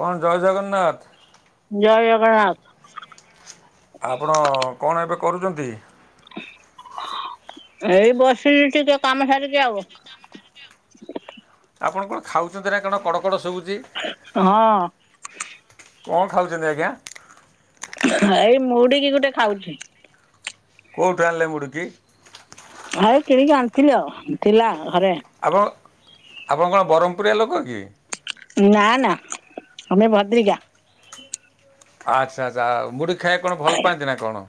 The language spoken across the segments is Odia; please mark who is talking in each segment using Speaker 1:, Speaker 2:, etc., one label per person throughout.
Speaker 1: କଣ ଜୟ ଜଗନ୍ନାଥ
Speaker 2: ଜୟ ଜଗନ୍ନାଥ
Speaker 1: ଆପଣ କଣ ଏବେ କରୁଛନ୍ତି
Speaker 2: ଏଇ ବସିିଲି ଟିକେ କାମ ସାରିକି ଆଉ
Speaker 1: ଆପଣ କଣ ଖାଉଛନ୍ତି ନା କଣ କଡ଼କଡ଼ ଶୁବୁଚି
Speaker 2: ହଁ
Speaker 1: କଣ ଖାଉଛନ୍ତି ଆଜ୍ଞା
Speaker 2: ହାଇ ମୁଡିକି ଗୋଟେ ଖାଉଛି
Speaker 1: କେଉଠାଣିଲେ ମୁଡ଼ୁକି
Speaker 2: ଭାଇ କିଣିକି ଆଣିଥିଲି ଆଉ ଥିଲା ଘରେ
Speaker 1: ଆପଣ ଆପଣ କଣ ବ୍ରହ୍ମପୁରଆ ଲୋକ କି
Speaker 2: ନା ନା ଆମେ ଭଦ୍ରିକା
Speaker 1: ଆଚ୍ଛା ଆଚ୍ଛା ମୁଡ଼ି ଖାଇବା କଣ ଭଲ ପାଆନ୍ତି ନା କଣ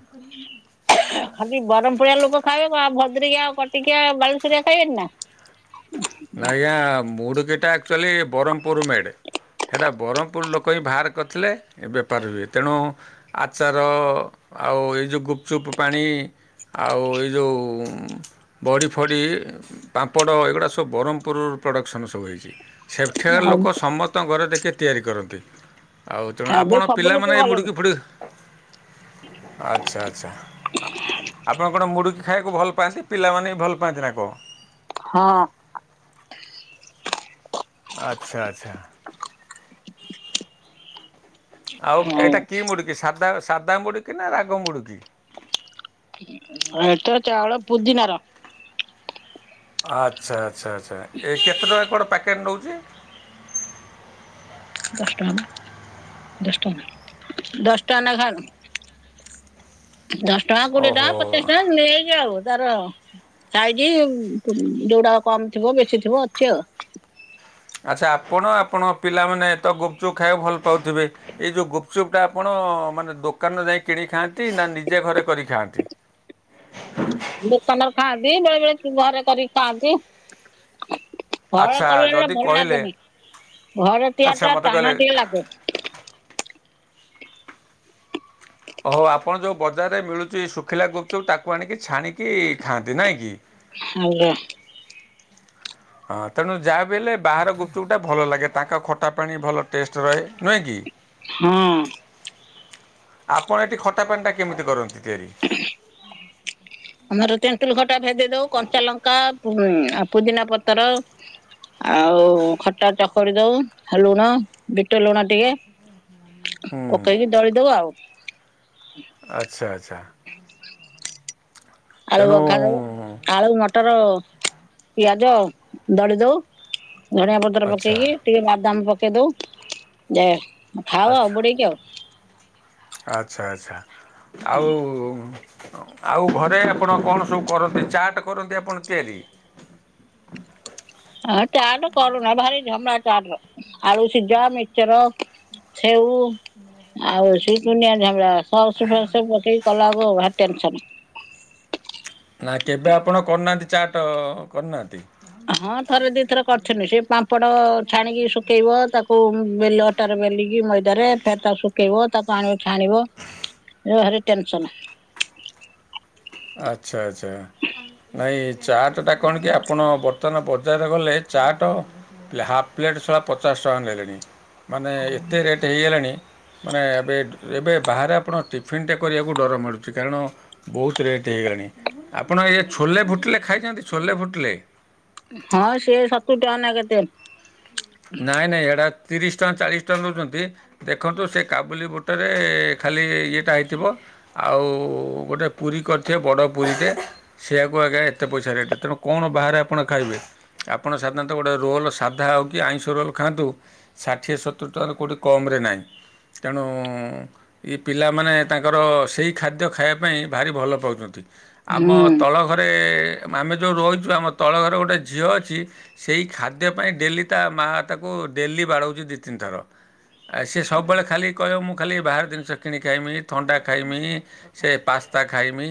Speaker 2: ଖାଲି ବରମ ପୁରିଆ ଲୋକ ଖାଇବେ ଆଉ ଭଦ୍ରିକା ଆଉ କଟିକିଆ ବାଲେଶରିଆ ଖାଇବେନି ନା ହ [unintelligible]
Speaker 1: ଆଜ୍ଞା ମୁଡକିଟା ଆଚୁଆଲି ବ୍ରହ୍ମପୁରରୁ ମେଡେ ସେଇଟା ବ୍ରହ୍ମପୁର ଲୋକ ହିଁ ବାହାର କରିଥିଲେ ଏ ବେପାର ହୁଏ ତେଣୁ ଆଚାର ଆଉ ଏଇ ଯ ଗୁପଚୁପ୍ ପାଣି ଆଉ ଏ ଯ ବଡ଼ିଫଡ଼ି ପାମ୍ପଡ଼ ଏଗୁଡ଼ା ତ ବ୍ରହ୍ମପୁରର ପ୍ରଡ଼କ୍ସନ୍ ସବୁ ହୋଇଇଛି ସେଠାରେ ଲୋକ ସମ ତଙ୍କ ଘରେ ଦେଖି ତିଆରି କରନ୍ତି ଆଉ ତେଣୁ
Speaker 2: ଏବେ
Speaker 1: ଆପଣ
Speaker 2: ସବୁ ଲୋକ
Speaker 1: ପିଲାମାନେ ଏ
Speaker 2: ଗଲେଣି
Speaker 1: ମୁଡ଼ିକି ଫୁଡ଼ି [unintelligible] ଆଚ୍ଛା ଆଚ୍ଛା ଆ। ଆପଣ କଣ ମୁଡ଼ିକି ଖାଇବାକୁ ଭଲ ପାଆନ୍ତି ପିଲାମାନେ ବି ଭଲ ପାଆନ୍ତି ନା କଣ।
Speaker 2: ହଁ।
Speaker 1: ଆଚ୍ଛା ଆଚ୍ଛା। ଆଉ
Speaker 2: ହଉ
Speaker 1: ଏଇଟା କି ମୁଡ଼ିକି ସାଧା ସାଧା ମୁଡ଼ୁିକି ନା ରାଗ ମୁଡ଼ୁିକି।
Speaker 2: [unintelligible] ଏଟା ଚାଉଳ ପୁଦିିନା ର।
Speaker 1: ଆଚ୍ଛା ଆଚ୍ଛା ଆଚ୍ଛା ଏ କେତେ ଟଙ୍କା କଣ ପ୍ୟାକେଟ୍ ନେଉଛି।
Speaker 2: ଦଶ ଟଙ୍କ ଦଶଟଙ୍କା ଦଶଟା ନେଖା [inaudible] ଦଶ ଟଙ୍କା କୋଡିଏ
Speaker 1: ଓହୋ
Speaker 2: ଟଙ୍କା ପଚିଶି ଟଙ୍କା ନେଇକି ଆଉ ତାର। ଖାଇକି ଯୋଉଟା କମ ଥିବ ବେଶୀ ଥିବ ଅଛି ଆଉ।
Speaker 1: ଆଚ୍ଛା ଆପଣ ଆପଣ ପିଲାମାନେ ତ ଗୋପଚୁପ୍ ଖାଇବାକୁ ଭଲ ପାଉଥିବେ। ଏଇ ଯ ଗୁପୁଚୁପୁଟା ଆପଣ ମାନେ ଦୋକାନରେ ଯାଇ କିଣି ଖାଆନ୍ତି ନା ନିଜେ ଘରେ କରି ଖାଆନ୍ତି।
Speaker 2: ଦୋକାନରେ ଖାଆନ୍ତି ନହେଲେ ଘରେ କରିକି ଖାଆନ୍ତି। [unintelligible] ଘରେ
Speaker 1: ଆଚ୍ଛା
Speaker 2: କରଲେ
Speaker 1: ଯଦି
Speaker 2: ଭଲ
Speaker 1: କହିଲେ
Speaker 2: ଲାଗେନି ଘରେ ତିଆ
Speaker 1: ଆଚ୍ଛା
Speaker 2: ଟା
Speaker 1: ମୋତେ କହିଲେ
Speaker 2: ଟାଣ ଟିକେ ଲାଗେ।
Speaker 1: ଓ ହଉ ଆପଣ ଯୋଉ ବଜାରରେ ମିଳୁଛି ଶୁଖିଲା ଗୁପୁଚୁପୁ ତାକୁ ଆଣିକି ଛାଣିକି ଖାଆନ୍ତି ନାହିଁ କି।
Speaker 2: ହାଉଲ।
Speaker 1: ହଁ ତେଣୁ ଯାହାବି ହେଲେ ବାହାର ଗୁପୁଚୁପୁଟା ଭଲ ଲାଗେ ତାଙ୍କ ଖଟା ପାଣି ଭଲ ଟେଷ୍ଟ ରହେ ନୁହେଁ କି।
Speaker 2: ହଁ।
Speaker 1: ଆପଣ ଏଠି ଖଟା ପାଣି ଟା କେମିତି କରନ୍ତି ତିଆରି।
Speaker 2: [unintelligible] ଆମର ତେନ୍ତୁଲୁ ଖଟା ଭେଦେଇ ଦଉ କଞ୍ଚା ଲଙ୍କା ପୁଦିନା ପତର। ଆଉ ଖଟା ଚକଡି ଦଉ ଲୁଣ ବିଟ ଲୁଣ ଟିକେ।
Speaker 1: ହୁଁ
Speaker 2: ପକେଇକି ଦଳିଦବୁ ଆଉ।
Speaker 1: ଆଚ୍ଛା ଆଚ୍ଛା।
Speaker 2: ଆଳୁ
Speaker 1: ତେଣୁ
Speaker 2: ଭକାନୁ। ଆଳୁ ମଟର ପିଆଜ ଦଳି ଦଉ ଧଣିଆ ପ
Speaker 1: ଆଚ୍ଛା
Speaker 2: ପକେଇକି ଟିକେ ବାଦାମ ପକେଇ ଦଉ ଯେ ଖାଅ ଆଉ
Speaker 1: ଆଚ୍ଛା
Speaker 2: ବୁଡେଇକି ଆଉ।
Speaker 1: ଆଚ୍ଛା ଆଚ୍ଛା ଆଉ। ଆଉ ଆଉ ଘରେ ଆପଣ କଣ ସବୁ କରନ୍ତି ଚାଟ୍ କରନ୍ତି ଆପଣ ତିଆରି।
Speaker 2: ହାଁ ଚାଟ କରୁନା ଭାରି ଝାମଡା ଚାଟ ର ଆଳୁ ସିଝା ମିଚର। ସେଉ ଆଉ ସେ ଦୁନିଆ ଝାମେଲା। ସସ ଫସ ପକେଇ କଲାବେଳକୁ ଭାରି ଟେନସନ।
Speaker 1: ନା କେବେ ଆପଣ କରିନାହାନ୍ତି ଚାଟ୍ କରିନାହାନ୍ତି।
Speaker 2: ହଁ ଥରେ ଦି ଥର କରିଥିନି ସେ ପାମ୍ପଡ଼ ଛାଣିକି ଶୁଖେଇବ ତାକୁ ବେଲ। ତାର ବେଲିକି ମଇଦାରେ ଫେରେ ତାକୁ ଶୁଖେଇବ ତାକୁ ଆଣିବ ଛାଣିବ ଏ ଭାରି ଟେନସନ।
Speaker 1: ଆଚ୍ଛା ଆଚ୍ଛା ନାଇଁ ଚାଟ୍ ଟା କଣ କି ଆପଣ। ବର୍ତ୍ତମାନ ପଜାର ଗଲେ ଚାଟ ହାଫ୍ ପ୍ଲେଟ୍ ସଳା ପଚାଶ ଟଙ୍କା ନେଲେଣି। ମାନେ ଏତେ ରେଟ୍ ହେଇଗଲାଣି। ମାନେ ଏବେ ଏବେ ବାହାରେ ଆପଣ ଟିଫିନ୍ ଟେ କରିବାକୁ ଡର ମାଡୁଛି କାରଣ ବହୁତ ରେଟ୍। ହେଇଗଲାଣି ଆପଣ ଏ ଛୋଲେ ଭୁଟିଲେ ଖାଇଥାନ୍ତି ଛୋଲେ ଭୁଟିଲେ।
Speaker 2: ହଁ ସିଏ ସତୁୁରି ଟଙ୍କା ନା କେତେ?
Speaker 1: ନାଇଁ ନାଇଁ ଏଇଟା ତିରିଶି ଟଙ୍କା ଚାଳିଶି ଟଙ୍କା ନଉଛନ୍ତି। ଦେଖନ୍ତୁ ସେ କାବୁଲି ବୁଟରେ ଖାଲି ଇଏଟା ହେଇଥିବ। ଆଉ ଗୋଟେ ପୁରୀ କରିଥିବେ ବଡ ପୁରୀଟେ। ସେଆକୁ ଆଜ୍ଞା ଏତେ ପଇସା ରେଟ୍ ତେଣୁ କଣ ବାହାରେ ଆପଣ ଖାଇବେ? ଆପଣ ଚାଲନ୍ତୁ ଗୋଟେ ରୋଲ୍ ସାଧା ଆଉ। କି ଆଇଁଷ ରୋଲ୍ ଖାଆନ୍ତୁ ଷାଠିଏ ସତୁରି ଟଙ୍କାରୁ କୋଉଠି କମରେ ନାହିଁ ତେଣୁ। ଏଇ ପିଲାମାନେ ତାଙ୍କର ସେଇ ଖାଦ୍ୟ ଖାଇବା ପାଇଁ ଭାରି ଭଲ ପାଉଛନ୍ତି। ଆମ
Speaker 2: ହୁଁ
Speaker 1: ତଳ ଘରେ। ଆମେ ଯୋଉ ରହୁଛୁ ଆମ ତଳ ଘରେ ଗୋଟେ ଝିଅ ଅଛି ସେଇ ଖାଦ୍ୟ ପାଇଁ ଡେଲି ତା ମାଆ ତାକୁ ଡେଲି ବାଡଉଚି ଦି ତିନ ଥର। ଆଇ ସିଏ ସବୁବେଳେ ଖାଲି କହିବ ମୁଁ ଖାଲି ବାହାର ଜିନିଷ କିଣି ଖାଇମି ଥଣ୍ଡା ଖାଇମି। ସେ ପାସ୍ତା ଖାଇମି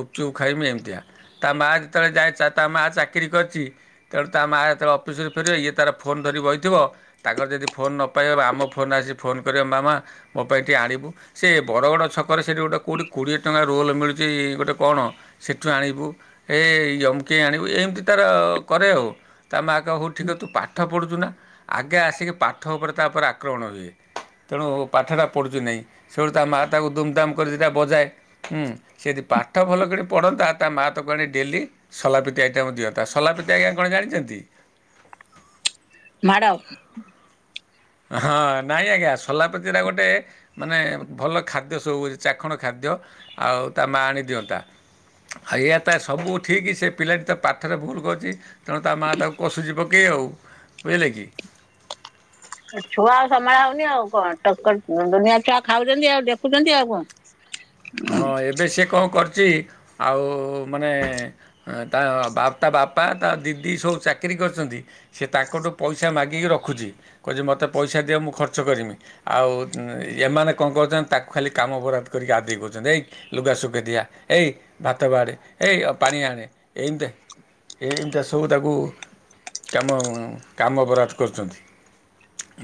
Speaker 1: ଗୁପଚୁପ ଖାଇମି ଏମିତିଆ। ତା ମାଆ ଯେତେବେଳେ ଯାଏ ଚା ତା ମା ଚାକିରି କରିଛି ତେଣୁ ତା ମାଆ ଯେତେବେଳେ ଅଫିସରେ ଫେରିବ ଇଏ ତାର ଫୋନ୍ ଧରି ବହିଥିବ ତାଙ୍କର ଯଦି ଫୋନ ନ ପାଇବା ଆମ ଫୋନରେ ଆସି ଫୋନ୍ କରିବ ମାମା ମୋ ପାଇଁ ଏଠି ଆଣିବୁ। ସେ ବଡ଼ଗଡ଼ ଛକରେ ସେଠି ଗୋଟିଏ କୋଡ଼ିଏ ଟଙ୍କା ରୋଲ୍ ମିଳୁଛି ଗୋଟେ କଣ। ସେଠୁ ଆଣିବୁ ଏଇ ଅମକେଇ ଆଣିବୁ ଏମିତି ତାର କରେ ଆଉ। ତା ମାଆ କହିବ ହଉ ଠିକ ତୁ ପାଠ ପଢ଼ୁଛୁ ନା ଆଗେ ଆସିକି ପାଠ ଉପରେ ତାପରେ ଆକ୍ରମଣ ହୁଏ। ତେଣୁ ପାଠଟା ପଢ଼ୁଛି ନାହିଁ ସେଳୁ ତା ମାଆ ତାକୁ ଦୁମ ଧାମ କରି ଦିଟା ବଜାଏ। ହୁଁ ସେଯେ ପାଠ ଭଲ କରି ପଢ଼ନ୍ତା ତା ମା ତ କୁଆଡେ ଡେଲି ସୋଲାପ୍ରିତି ଆଇଟାମ୍ ଦିଅତା ସୋଲାପ୍ରିତି ଆଜ୍ଞା କଣ ଜାଣିଛନ୍ତି?
Speaker 2: ମାଡ।
Speaker 1: ହଁ ନାଇଁ ଆଜ୍ଞା ସୋଲାପତିରା ଗୋଟେ ମାନେ ଭଲ ଖାଦ୍ୟ ସବୁ ଚାଖଣ ଖାଦ୍ୟ ଆଉ ତା ମା ଆଣିଦିଅନ୍ତା। ଏୟାତ ସବୁ ଠିକ୍ ସେ ପିଲାଟି ତ ପାଠରେ ଭୁଲ କରୁଚି। ତେଣୁ ତା ମାଆ ତାକୁ କଷୁଛି ପକେଇ ଆଉ ବୁଝିଲେ କି।
Speaker 2: ଛୁଆ ଆଉ ସମ୍ଭାଳ ହଉନି ଆଉ କଣ ତକର ଦୁନିଆ ଛୁଆ ଖାଉଛନ୍ତି ଆଉ ଦେଖୁଛନ୍ତି ଆଉ କଣ। [inaudible]
Speaker 1: ହଁ ଏବେ ସେ କଣ କରିଛି ଆଉ ମାନେ ଆ ତା ବାପ ତାବାପା ତା ଦିଦି ସବୁ ଚାକିରି କରିଛନ୍ତି ସେ ତାଙ୍କଠୁ ପଇସା ମାଗିକି ରଖୁଛି। କହୁଛି ମୋତେ ପଇସା ଦିଅ ମୁଁ ଖର୍ଚ୍ଚ କରିମି। ଆଉ ଏମାନେ କଣ କରୁଛନ୍ତି ତାକୁ ଖାଲି କାମ ବରାଦ କରିକି ଆଦେଇ କରୁଛ ଏଇ ଲୁଗାସୁଖେଇ ଦେଇଆ। ଏଇ ଭାତ ବାଢେ ଏଇ ପାଣି ଆଣେ ଏମତିଆ। ଏମିତିଆ ସବୁ ତାକୁ କାମ କାମ ବରାଦ କରୁଛନ୍ତି।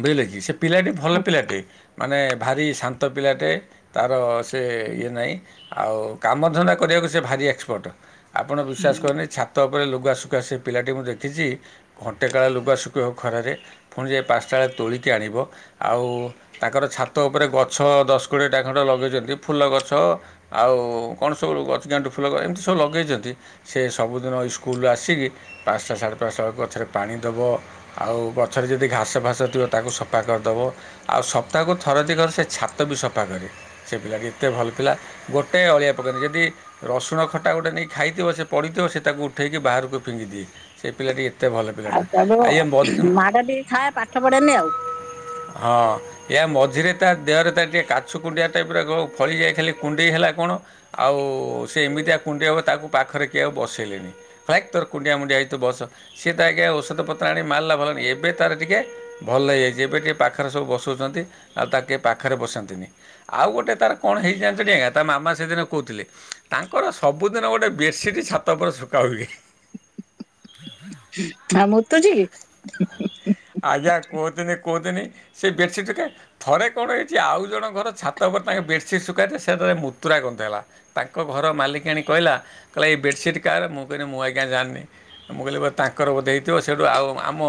Speaker 1: ବୁଝିଲେ କି। ସେ ପିଲାଟି ଭଲ ପିଲାଟେ ମାନେ ଭାରି ଶାନ୍ତ ପିଲାଟେ ତାର ସେ ଇଏ ନାହିଁ ଆଉ କାମଧନ୍ଦା କରିବାକୁ ସେ ଭାରି ଏକ୍ସପର୍ଟ ଆପଣ ବିଶ୍ୱାସ କରଵେନି ଛାତ ତାପରେ ଲୁଗା ଶୁଖା ସେ ପିଲାଟି ମୁଁ ଦେଖିଛି ଘଣ୍ଟେ କାଳେ ଲୁଗା ଶୁଖେଇବ ଖରାରେ। ପୁଣି ଯାଇ ପାଞ୍ଚଟା ବେଳେ ତୋଳିକି ଆଣିବ। ଆଉ ତାଙ୍କର ଛାତ ଉପରେ ଗଛ ଦଶ କୋଡ଼ିଏ ଟା ଖଣ୍ଡେ ଲଗେଇଛନ୍ତି ଫୁଲ ଗଛ। ଗଛ ଆଉ କଣ ସବୁ ଗଛ ଗେଣ୍ଡୁ ଫୁଲଗ ଏମିତି ସବୁ ଲଗେଇଛନ୍ତି। ସେ ସବୁଦିନ ଏଇ ସ୍କୁଲରୁ ଆସିକି ପାଞ୍ଚଟା ସାଢ଼େ ପାଞ୍ଚଟା ବେଳକୁ ଗଛରେ ପାଣି ଦେବ। ଆଉ ଗଛରେ ଯଦି ଘାସ ଫାସ ଥିବ ତାକୁ ସଫା କରିଦେବ। ଆଉ ସପ୍ତାହକୁ ଥର ଦି ଥର ସେ ଛାତ ବି ସଫା କରେ ସେ ପିଲାଟି ଏତେ ଭଲ। ପିଲା ଗୋଟେ ଅଳିଆ ପକେବନି ଯଦି ରସୁଣ ଖଟା ଗୋଟେ ନେଇ ଖାଇଥିବ ସେ ପଡ଼ିଥିବ ସେ ତାକୁ ଉଠେଇକି ବାହାରକୁ ଫିଙ୍ଗିଦିଏ ସେ ପିଲାଟି ଏତେ ଭଲ ପିଲାଟା
Speaker 2: ଆଉ ବାବୁ
Speaker 1: ଇଏ
Speaker 2: ମାଡ ଟିକେ ଖାଏ ପାଠ ପଢେନି ଆଉ।
Speaker 1: ହଁ ୟା ମଝିରେ ତା ଦେହରେ ତାର ଟିକେ କାଛୁ କୁଣ୍ଡିଆ ଟାଇପରକ ଫଳି ଯାଏ ଖାଲି। କୁଣ୍ଡେଇ ହେଲା କଣ ଆଉ ସେ ଏମିତିଆ କୁଣ୍ଡେଇ ହେବ ତାକୁ ପାଖରେ କିଏ ଆଉ ବସେଇଲେନି। ଭାକ ତୋର କୁଣ୍ଡିଆ ମୁଣ୍ଡିଆ ହେଇଛି ତୁ ବସ। ସିଏ ତ ଆଜ୍ଞା ଔଷଧପତ୍ର ଆଣି ମାରିଲା ଭଲ ହେଲ ଏବେ ତାର ଟିକିଏ ଭଲ ହେଇଯାଇଛି ଏବେ ଟିକେ ପାଖରେ ସବୁ ବସୋଉଛନ୍ତି ଆଉ ତାକୁ କିଏ ପାଖରେ ବସାନ୍ତିନି। ଆଉ ଗୋଟେ ତାର କଣ ହେଇଚି ଯାଣିଛନ୍ତି ଆଜ୍ଞା ତା ମାମା ସେଦିନ କହୁଥିଲେ। ତାଙ୍କର ସବୁଦିନ ଗୋଟେ ବେଡ଼ସିଟ୍ ଛାତ ଉପରେ ଶୁଖା ହୁଏ।
Speaker 2: ଆଉ ମୁତୁଛି କି।
Speaker 1: ଆଜ୍ଞା କୁହନ୍ତୁନି କୁହନ୍ତୁନି ସେ ବେଡସିଟରେ ଥରେ କଣ ହେଇଛି ଆଉ ଜଣଙ୍କ ଘର ଛାତ ଉପରେ ତାଙ୍କେ ବେଡସିଟ୍ ସୁଖ୍ କାନ୍ତି ସେତେବେଳେ ମୁତୁରା ଗନ୍ଧେଇଲା ତାଙ୍କ ଘର ମାଲିକାଣୀ କହିଲା କହିଲା ଏଇ ବେଡସିଟ କାହାର ମୁଁ କହିଲି ମୁଁ ଆଜ୍ଞା ଜାଣିନି। ମୁଁ କହିଲି ତାଙ୍କର ବୋଧେ ହୋଇଥିବ ସେଇଠୁ ଆଉ ଆମ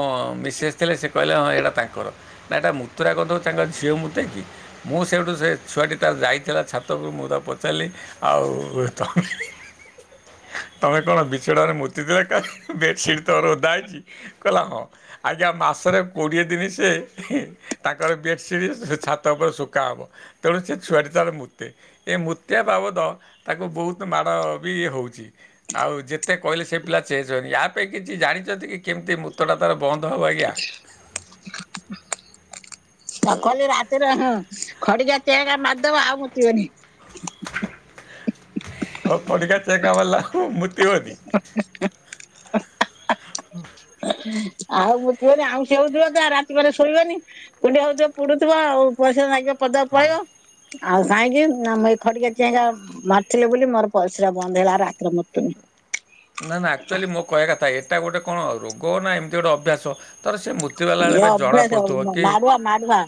Speaker 1: ମିସେସ ଥିଲେ ସେ କହିଲେ ହଁ ଏଟା ତାଙ୍କର। ନା ଏଇଟା ମୁତୁରା ଗନ୍ଧ ତାଙ୍କ ଝିଅ ମୁତେ କି? ମୁଁ ସେଇଠୁ ସେ ଛୁଆଟି ତା ଯାଇ ଥିଲା ଛାତକୁ। ମୁଁ ତାକୁ ପଚାରିଲି ଆଉ ତ ତମେ କଣ ବିଛଣାରେ ମୁତୀଥିଲ କାଲି ବେଡସିଟ ତମର ଓଦା ହେଇଛି। କହିଲା ହଁ ଆଜ୍ଞା ମାସରେ କୋଡିଏ ଦିନ ସେ ତାଙ୍କର ବେଡସିଟ୍ ସେ ଛାତ ଉପରେ ଶୁଖା ହବ। ତେଣୁ ସେ ଛୁଆଟି ତାର ମୂତେ ଏ ମୂତିବା ବାବଦ ତାକୁ ବହୁତ ମାଡ଼ ବି ହେଉଛି। ଆଉ ଯେତେ କହିଲେ ସେ ପିଲା ଚେଞ୍ଜ ହେଉନୀ। ୟା ପାଇଁ କିଛି ଜାଣିଛନ୍ତି କି କେମିତି ମୁୂତଟା ତାର ବନ୍ଦ ହେବ ଆଜ୍ଞା।
Speaker 2: ତା କହିଲେ ରାତିରେ ହଁ ଖଡିିକା ଚେଁ ମାରିଦବ। ଆଉ ମୁତୀବନି।
Speaker 1: ଓ ଖଡ଼ିକା ଚେଙ୍କା ମାରିଲେ ଆଉ ମୂତିବନି?
Speaker 2: [unintelligible] ଆଉ ମୂତିବନି ଆଉଁସି ହେଉଥିବ ତ ରାତିକରେ ଶୋଇବନି। କୁଣ୍ଡେଇ ହଉଥିବ ପୁଡୁଥିବ ଆଉ। ପରିସ୍ରା ନାଗିବ ପଦାକୁ ପଳେଇବ। ଆଉ କାହିଁକି ନା ମୁଁ ଏଇ ଖଡିକା ଚେଞ୍ଜହବ। ମାରିଥିଲେ ବୋଲି ମୋର ପରିସ୍ରା ବନ୍ଦ ହେଲା। ଆଉ ରାତିରେ ମୁତୁନି।
Speaker 1: ନା ନା ଆକ୍ଚୁଆଲି ମୋ କଇଆ କଥା। ଏଟା ଗୋଟେ କଣ ରୋଗ ନା ଏମତି ଗୋଟେ ଅଭ୍ୟାସ। ତାର ସେ ମୁତିବାଲା
Speaker 2: ଇଏ
Speaker 1: ବେଳେ ଏବେ ଜଣାପଡ଼ୁଥିବ କି?
Speaker 2: ମାଡୁଆ।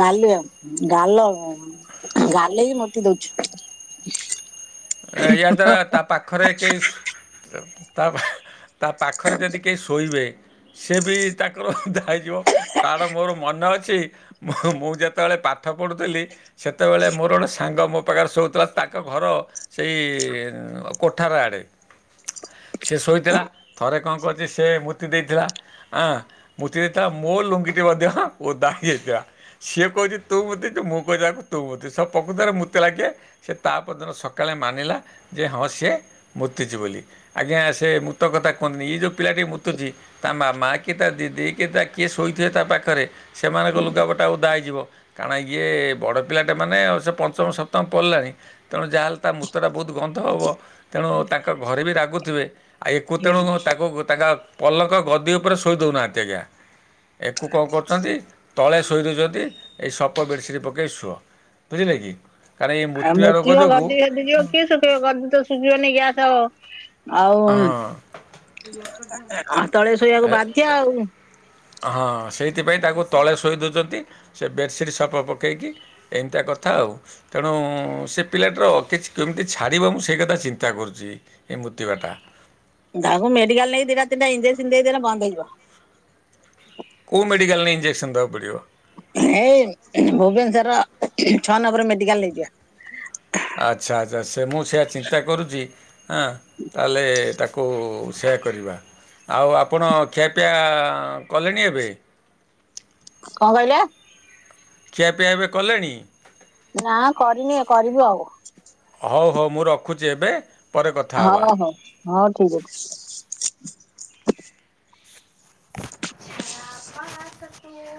Speaker 2: ଗାଲି ଆଉ ଗାଲ କଣ? ଗାଲେଇକି ମୁତି ଦୋଉଛି।
Speaker 1: ଏହାଦ୍ୱାରା ତା ପାଖରେ କେହି ଶୁ ତା ପା ହେଁ ତା ପାଖରେ ଯେଦି କେହି ଶୋଇବେ ସେ ବି ତାଙ୍କର ଓଦା ହେଇଯିବ କାର ମୋର ମନ ଅଛି ମୁଁହୁଁ ମୁଁ ଯେତେବେଳେ ପାଠ ପଢ଼ୁଥିଲି। ସେତେବେଳେ ମୋର ଗୋଟେ ସାଙ୍ଗ ମୋ ପାଖେରେ ଶୋଉଥିଲା। ତା ଙ୍କ ଘର ସେଇ ଇ ଇ ଉଁ କୋଠାର ଆଡ଼େ। ସିଏ ଶୋଇଥିଲା। ଥରେ କଁ କରିଚି ସେ ମୁତି ଦେଇଥିଲା। ଆଁ ମୁତି ଦେଇ ଥେଲା। ମୋ ଲୁଙ୍ଗିଟି ମଧ୍ୟ ଓଦା ହେଇ ଯାଇଥିଲା। ସିଏ କୋଉଚି ତୁ ମୁତି ଚୁ, ମୁଁ କଇଦେଲାକୁ ତୁ ମୁତି ଛୁ। ସ ପକୁତରେ ମୁତିଲା କିଏ? ସେ ତା ପରଦିନ ସ କାଳେ ମାନିଲା ଯେ ହଁ ସିଏ ମୁତିଚି ବୋଲି। ଆଜ୍ଞା! ସେ ଭୂତ କଥା କୁଅନ୍ତିନି। ଇଏ ଯୋଉ ପିଲାଟି ମୁତୁଚି ତା ମାମା କି? ତା ଦିଦି କି? ତା କିଏ ଶୋଇଥିବେ ତା ପାଖରେ ସେମାନଙ୍କ ଲୁଗାପଟା ଓଦା ହେଇଯିବ। କାଣା ଇଏ ଏ ବଡ଼ ପିଲାଟେ ମାନେ। ସେ ପଞ୍ଚମ ସପ୍ତମ ପଲାଣି। ତେଣୁ ଯାହାହେଲେ ତା ମୁୂତ ଟା ବହୁତ ଗନ୍ଧ ହବ। ତେଣୁ ତାଙ୍କ ଘରେ ବି ରାଗୁଥିବେ। ଏକୁ ତେଣୁ ତାକୁ ତାଙ୍କା ପଲଙ୍କ ଗଦି ଓପେରେ ଶୋଇ ଦଉନାହାନ୍ତି ଆଜ୍ଞା!। ଏକୁ କଁ କରୁଚନ୍ତି। ତଳେ ଶୋଇ ଦଉଚନ୍ତି। ଏଇ ସପ ବେଡ଼ସିଟ୍ ପକେଇ ଶୁଅ। ବୁଝିଲେ କି କାରଣ ଏଇ
Speaker 2: ଆଉ
Speaker 1: ମୁତିବା ରୋଗ
Speaker 2: ମୁତିବ
Speaker 1: ଯୋଗୁ
Speaker 2: ଗଦି ଗଦି ଯିବ କିଏ ଶୁକେଇବ। ଗଦି ତ ଶୁଜିବନି ଗ୍ୟାସ ହବ। ଆଉ
Speaker 1: ହଁ
Speaker 2: ଉଁ ତଳେ ଶୋଇଆକୁ ବାଧ୍ୟ ଆଉ।
Speaker 1: ହଁଅଁ ସେଇଥିପାଇଁ ତାକୁ ତଳେ ଶୋଇ ଦୋଉଚନ୍ତି। ସେ ବେଡ଼ସିଟ୍ ସପ ପକେଇକି ଏନ୍ତିଆ କଥା ଆଉ। ତେଣୁ ଉଁ ଉଁ ଉଁ ସେ ପିଲାଟିର କିଛି କେମିତି ଛାଡ଼ିବ? ମୁଁ ସେଇ କଥା ଚିନ୍ତା କରୁଚି। ଏ ମୁତିବାଟା।
Speaker 2: ଧାଗୁ ମେଡିକାଲ୍ ନେଇ ଦିଟା ତିନଟା ଇଞ୍ଜସିନ୍ ଦେଇଦେଲେ ବନ୍ଦ ହେଇଯିବ।
Speaker 1: କୋଉ ମେଡ଼ିିକାଲ ନେଇ ଇଞ୍ଜେକସନ ଦବାକୁ ପଡ଼ିବ।
Speaker 2: ଏଇ ଭୁବେନେଶର ଛଅ ନମ୍ବର ମେଡିକାଲ୍ ନେଇଯିବା।
Speaker 1: ଆଚ୍ଛା! ଆଚ୍ଛା! ସେ ମୁଁ ସେଆ ଚିନ୍ତା କରୁଚି ଆଁ ତାହେଲେ ତାକୁ ସେୟା କରିବା। ଆଉ ଆପଣ ଖିଆପିଆ କଲେଣି ଏବେ।
Speaker 2: କଁ କଇଲେ?
Speaker 1: ଖିଆପିଆ ଏବେ କଲେଣି?
Speaker 2: ନା କରିନି ଏ କରିବୁ ଆଉ।
Speaker 1: ହଉ ହଉ ମୁଁ ରଖୁଚି ଏବେ। ପରେ କଥା ହେବା
Speaker 2: ହଅ ହଅ, ହଁ ଠିକ ଅଛି।
Speaker 1: ଆ କଣ କିଏ [inaudible]